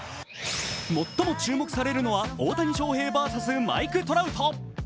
最も注目されるのは大谷翔平ｖｓマイク・トラウト。